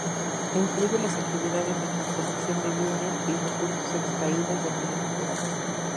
Incluye las actividades de transformación de bienes y recursos extraídos del medio natural.